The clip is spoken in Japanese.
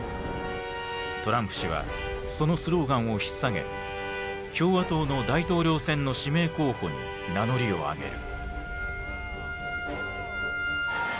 トランプ氏はそのスローガンをひっ提げ共和党の大統領選の指名候補に名乗りを上げる。